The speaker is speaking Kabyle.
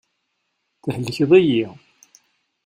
Thelkeḍ-iyi.